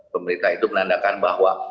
pemerintah itu menandakan bahwa